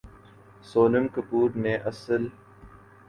سونم کپور نے اسل